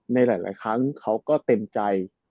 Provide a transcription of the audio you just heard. ในหลายครั้งเขาก็เต็มใจ